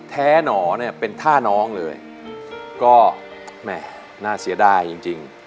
หนอเนี่ยเป็นท่าน้องเลยก็แหม่น่าเสียดายจริง